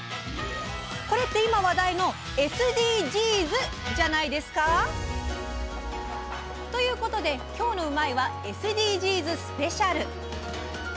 これって今、話題のＳＤＧｓじゃないですか？ということできょうの「うまいッ！」は「ＳＤＧｓスペシャル」！